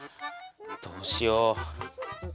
どうしよう？